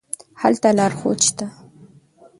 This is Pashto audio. هلته لارښود شته.